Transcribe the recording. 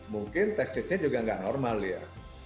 mungkin tekniknya juga nggak normal ya